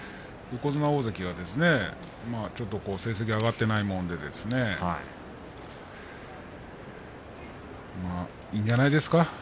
横綱、大関がちょっと成績が上がっていないものでいいんじゃないですか？